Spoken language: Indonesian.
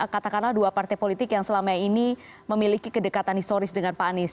katakanlah dua partai politik yang selama ini memiliki kedekatan historis dengan pak anies